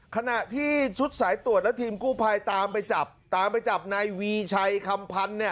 ขณะที่ชุดสายตรวจและทีมกู้ภัยตามไปจับตามไปจับนายวีชัยคำพันธ์เนี่ย